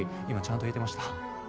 今ちゃんと言えてました？